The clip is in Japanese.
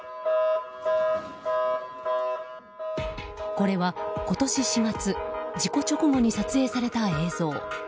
これは今年４月事故直後に撮影された映像。